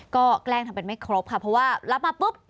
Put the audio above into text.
ก็แกล้งทำเป็นไม่ครบค่ะเพราะว่ารับมาปุ๊บ